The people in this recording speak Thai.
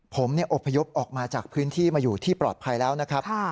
ผมอบพยพออกมาจากพื้นที่มาอยู่ที่ปลอดภัยแล้วนะครับ